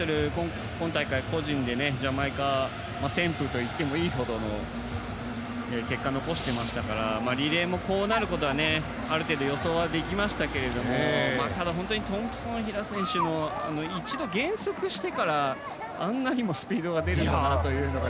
今大会、個人でジャマイカ旋風といってもいいほどの結果を残していましたからリレーもこうなることはある程度予想できましたけどトンプソン・ヒラ選手も一度、減速してからあんなにもスピードが出るのかなというのが。